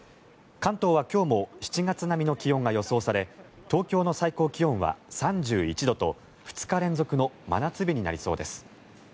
関東は今日も７月並みの気温が予想され東京の最高気温は３１度と２日連続の真夏日になりそうです。